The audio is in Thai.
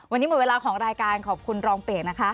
วันนี้หมดเวลาของรายการขอบคุณรองเปียกนะคะ